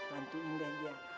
bantuin deh dia